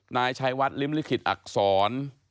นายชัยวัดริมลิขิตอักษร